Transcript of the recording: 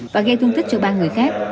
và gây thương tích cho ba người khác